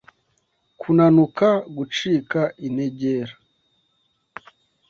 kunanuka, gucika integer